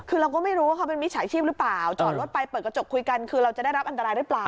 คือเราก็ไม่รู้ว่าเขาเป็นมิจฉาชีพหรือเปล่าจอดรถไปเปิดกระจกคุยกันคือเราจะได้รับอันตรายหรือเปล่า